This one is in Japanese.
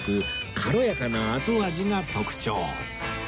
軽やかな後味が特徴